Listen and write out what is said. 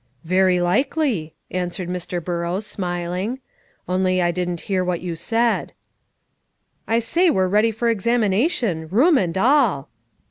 "Very likely," answered Mr. Burrows, smiling; "only I didn't hear what you said." "I say we're ready for examination, room and all."